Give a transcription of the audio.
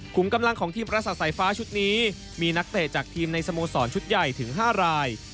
กำลังของทีมประสาทสายฟ้าชุดนี้มีนักเตะจากทีมในสโมสรชุดใหญ่ถึง๕ราย